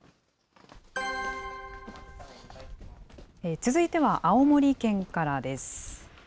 続いては青森県からです。